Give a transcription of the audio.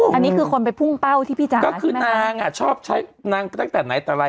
อันนี้คือคนไปพุ่งเป้าที่พี่จ่าใช่มั้ยคะ